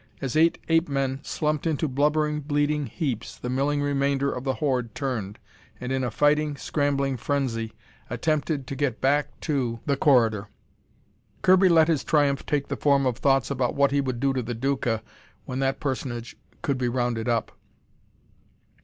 As eight ape men slumped into blubbering, bleeding heaps, the milling remainder of the horde turned, and in a fighting, scrambling frenzy attempted to get back to the corridor. Kirby let his triumph take the form of thoughts about what he would do to the Duca when that personage could be rounded up.